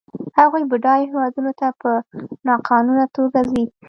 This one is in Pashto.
هغوی بډایو هېوادونو ته په ناقانونه توګه ځي.